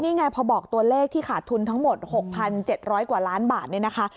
นี่ไงพอบอกตัวเลขที่ขาดทุนทั้งหมด๖๗๐๐กว่าล้านบาทเนี่ยนะคะ